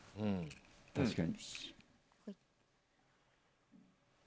確かに。